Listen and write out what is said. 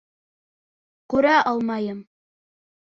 Күрә алмайым!